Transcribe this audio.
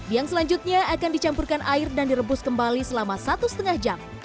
yang selanjutnya akan dicampurkan air dan direbus kembali selama satu setengah jam